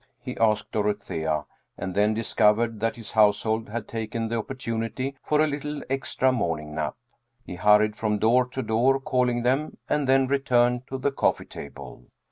he asked Dorothea, and then discovered that his household had taken the opportunity for a little extra morning nap. He hurried from door to door, calling them, and then re turned to the coffee table.